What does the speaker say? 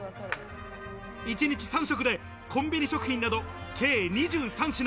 一日３食でコンビニ食品など計２３品。